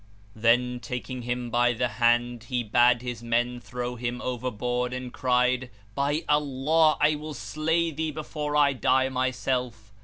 Then taking him by the hand he bade his men throw him overboard and cried, "By Allah I will slay thee before I die myself!"